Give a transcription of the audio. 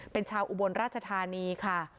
เป็นชาวอุบลราชธานีค่ะ